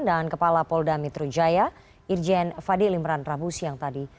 dan kepala polda metro jaya irjen fadil imran rabu siang tadi